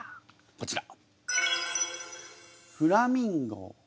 こちら。